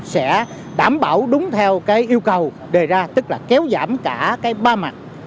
sẽ đảm bảo đúng theo yêu cầu đề ra tức là kéo giảm cả ba mặt